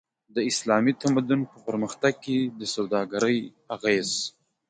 د اسلامي تمدن په پرمختګ کی د سوداګری اغیز